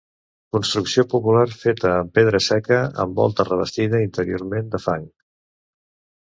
Construcció popular feta amb pedra seca amb volta revestida interiorment de fang.